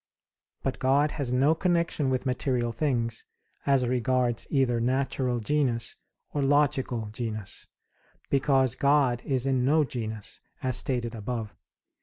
But God has no connection with material things, as regards either natural genus or logical genus; because God is in no genus, as stated above (Q.